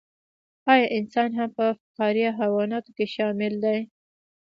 ایا انسان هم په فقاریه حیواناتو کې شامل دی